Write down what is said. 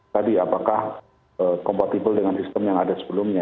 tadi apakah kompatibel dengan sistem yang ada sebelumnya